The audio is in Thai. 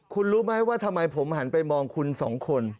คุณรู้ไหมว่าทำไมผมหันไปมองคุณสองคน